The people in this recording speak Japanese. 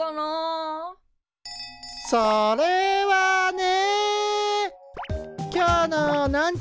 それはね。